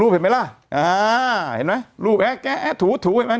เห็นมั้ยรูปแอ๊ะแอ๊ะถูเห็นมั้ย